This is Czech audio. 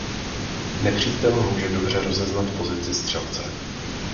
Nepřítel může dobře rozeznat pozici střelce.